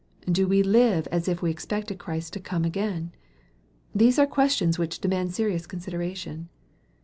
Do we live as if we expected Christ to come again ? These are questions which demand serious consideration.